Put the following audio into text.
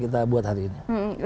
kita buat hari ini